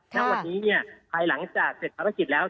แล้วอย่างนี้เนี่ยพายหลังจากเสร็จภารกิจแล้ว